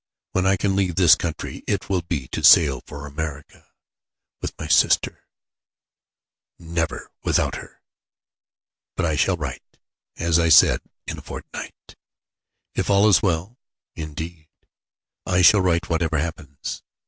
When I can leave this country it will be to sail for America with my sister never without her. But I shall write, as I said, in a fortnight, if all is well indeed, I shall write whatever happens.